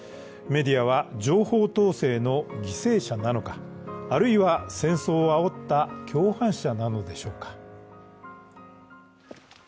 メディアは情報統制の犠牲者なのか、あるいは戦争をあおった共犯者なのでしょうか？